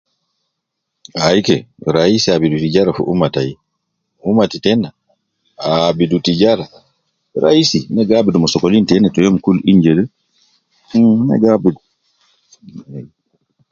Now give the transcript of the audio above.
Aii ke, raisi abidu tijara fi umma tai, ummati tena, ah abidu tijara, raisi, ne gi abidu me sokolin tena te youm kul in jede, mh ne gi abidu